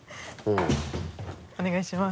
お願いします。